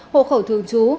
hộ khẩu thường trú